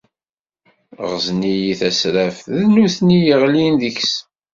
Ɣzen-iyi tasraft, d nutni i yeɣlin deg-s.